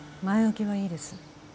前置きはいいです